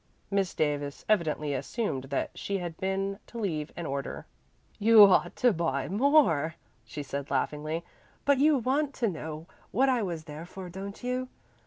Miss Davis evidently assumed that she had been to leave an order. "You ought to buy more," she said laughingly. "But you want to know what I was there for, don't you?